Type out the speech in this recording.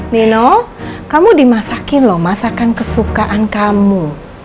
mino kamu dimasakin loh masakan kesukaan kamu